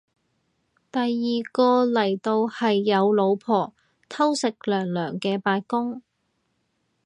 第二個嚟到係有老婆偷食娘娘嘅八公